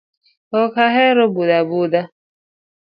Ok ahero budho abudha.